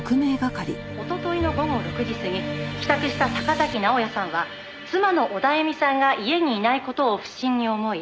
「おとといの午後６時過ぎ帰宅した坂崎直哉さんは妻のオダエミさんが家にいない事を不審に思い」